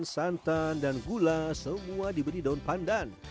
kacang santan dan gula semua diberi daun pandan